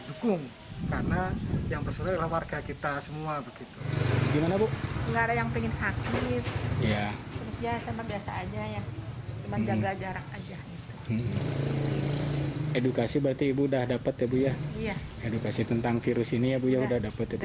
intinya jaga jaga persisian aja